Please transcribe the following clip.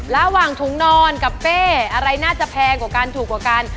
ระหว่างถุงนอนกับเป้อะไรน่าจะแพงกว่ากันถูกกว่ากัน